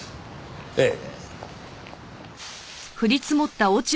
ええ。